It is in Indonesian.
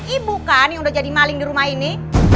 ibu kan yang udah jadi maling di rumah ini